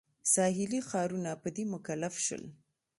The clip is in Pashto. ساحلي ښارونه په دې مکلف شول.